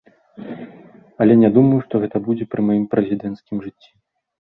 Але не думаю, што гэта будзе пры маім прэзідэнцкім жыцці.